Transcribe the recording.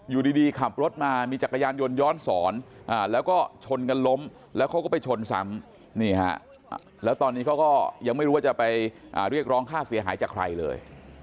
อยู่ดีขับรถมามีจักรยานยนต์ย้อนสอนแล้วก็ชนกันล้มแล้วเขาก็ไปชนซ้ำนี่ฮะแล้วตอนนี้เขาก็ยังไม่รู้ว่าจะไปเรียกร้องค่าเสียหายจากใครเลย